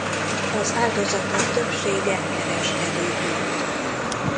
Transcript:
Az áldozatok többsége kereskedő volt.